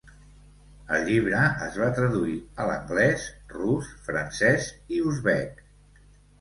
El llibre es va traduir a l'anglès, rus, francès i uzbek.